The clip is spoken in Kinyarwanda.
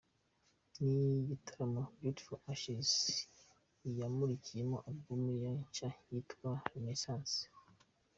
Ni igitaramo Beauty For Ashes yamurikiyemo album yayo nshya yitwa ‘Renaissance’.